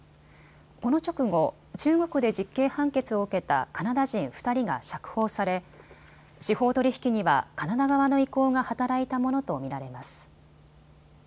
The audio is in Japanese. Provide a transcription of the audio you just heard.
この直後、中国で実刑判決を受けたカナダ人２人が釈放され司法取引にはカナダ側の意向が働いたものと見られます。